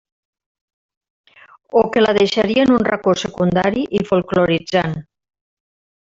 O que la deixaria en un racó secundari i folkloritzant.